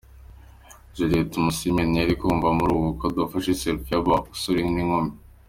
Juliet Tumusiime ntiyari kuva muri ubu bukwe adafashe 'Selfie' y'aba basore n'inkumi.